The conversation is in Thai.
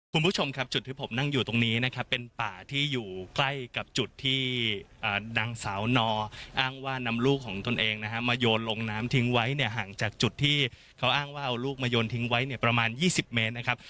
คุณผู้ชมครับจุดที่ผมนั่งอยู่ตรงนี้นะครับเป็นป่าที่อยู่ใกล้กับจุดที่นางสาวนออ้างว่านำลูกของตนเองนะฮะมาโยนลงน้ำทิ้งไว้เนี่ยห่างจากจุดที่เขาอ้างว่าเอาลูกมาโยนทิ้งไว้เนี่ยประมาณ๒๐เมตรนะครับ